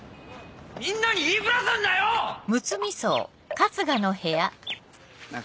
みんなに言い触らすんだよ！なぁ